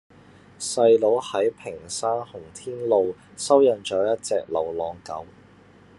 細佬喺屏山洪天路收養左一隻流浪狗